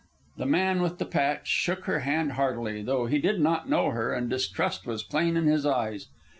The man with the patch shook her hand heartily, though he did not know her and distrust was plain in his eyes.